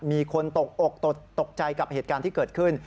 มีคนตกอกตกใจกับเหตุการณ์ที่เกิดขึ้น